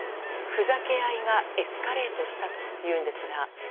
ふざけ合いがエスカレートしたというんですが。